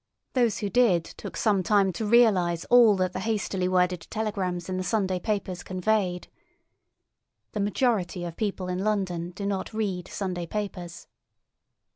Those who did took some time to realise all that the hastily worded telegrams in the Sunday papers conveyed. The majority of people in London do not read Sunday papers.